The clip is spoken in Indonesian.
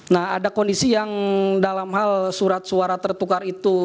nah ada kondisi yang dalam hal surat suara tertukar itu